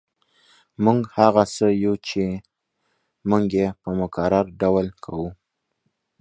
موږ هغه څه یو چې موږ یې په مکرر ډول کوو